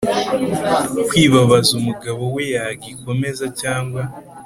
Kwibabaza umugabo we yagikomeza cyangwa